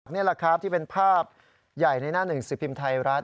นี่แหละครับที่เป็นภาพใหญ่ในหน้าหนึ่งสิบพิมพ์ไทยรัฐ